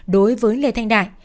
đối với lê thanh đại